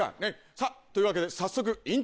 さぁというわけで早速。